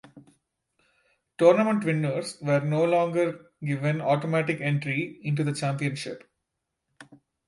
Tournament winners were no longer given automatic entry into the championship.